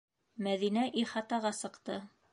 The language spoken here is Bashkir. Мәҙинә ихатаға сыҡты.